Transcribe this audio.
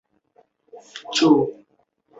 布拉德福德市政厅以其的钟楼地标而着称。